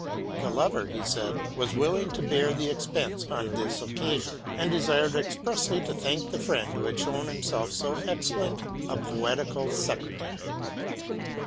The lover, he said, was willing to bear the expense on this occasion, and desired expressly to thank the friend who had shown himself so excellent a poetical secretary.